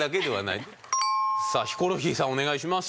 さあヒコロヒーさんお願いします。